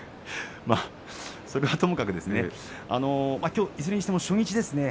それはともかくとしていずれにしても初日ですね。